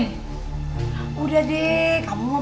gara gara kamu tuh